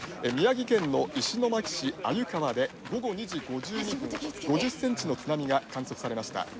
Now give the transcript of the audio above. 宮城県の石巻市鮎川で午後２時５２分５０ｃｍの津波が観測されました」。